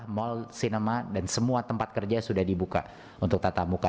mall sinema dan semua tempat kerja sudah dibuka untuk tatap muka